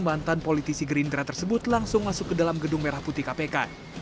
mantan politisi gerindra tersebut langsung masuk ke dalam gedung merah putih kpk